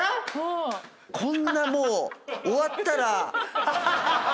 こんなもう終わったら。